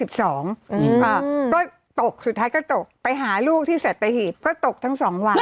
ก็ตกสุดท้ายก็ตกไปหาลูกที่สัตหีบก็ตกทั้งสองวัน